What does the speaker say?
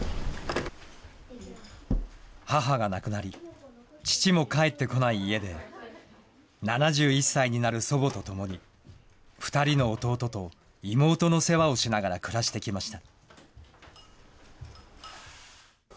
母が亡くなり、父も帰ってこない家で、７１歳になる祖母と共に、２人の弟と妹の世話をしながら暮らしてきました。